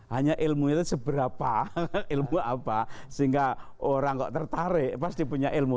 hanya ilmu itu seberapa ilmu apa sehingga orang kok tertarik pasti punya ilmu